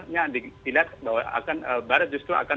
nyadik tidak bahwa akan barat justru akan